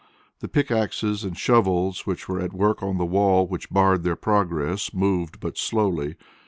The pickaxes and shovels which were at work on the wall which barred their progress moved but slowly.